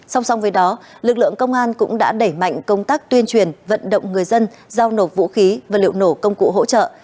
song song với đó lực lượng công an cũng đã đẩy mạnh công tác tuyên truyền vận động người dân giao nộp vũ khí và liệu nổ công cụ hỗ trợ